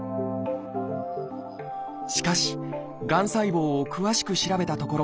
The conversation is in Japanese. しかしがん細胞を詳しく調べたところ